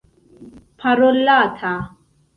parolata